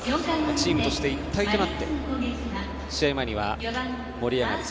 チームとして一体となって試合前には、盛り上がる。